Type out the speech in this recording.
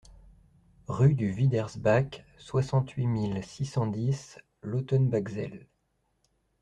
Rue du Widersbach, soixante-huit mille six cent dix Lautenbachzell